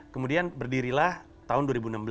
kemudian berdirilah tahun dua ribu enam belas